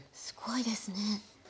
すごいですね。